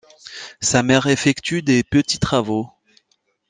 Sa mère effectue des petits travaux.